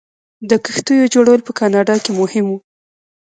د کښتیو جوړول په کاناډا کې مهم و.